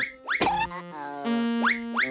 คาว